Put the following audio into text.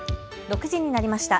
６時になりました。